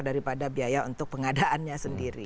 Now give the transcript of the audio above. daripada biaya untuk pengadaannya sendiri